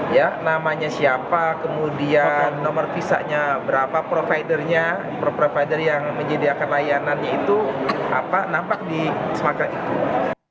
ya namanya siapa kemudian nomor visa nya berapa provider nya provider yang menjadi akan layanannya itu apa nampak di smartcard itu